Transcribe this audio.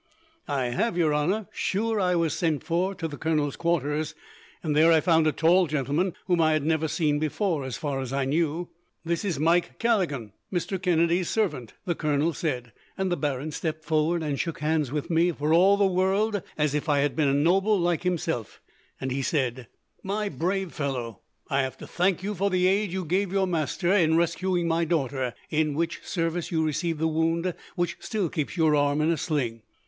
"I have, your honour. Sure, I was sent for to the colonel's quarters, and there I found a tall gentleman, whom I had never seen before, as far as I knew. "'This is Mike Callaghan, Mr. Kennedy's servant,' the colonel said, and the baron stepped forward, and shook hands with me, for all the world as if I had been a noble like himself; and he said: "'My brave fellow, I have to thank you for the aid you gave your master in rescuing my daughter, in which service you received the wound which still keeps your arm in a sling.